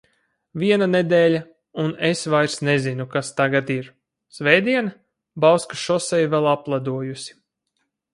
Viena nedēļa, un es vairs nezinu, kas tagad ir... Svētdiena? Bauskas šoseja vēl apledojusi.